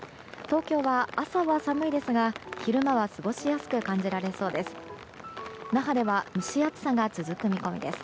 東京は朝は寒いですが昼間は過ごしやすく感じられそうです。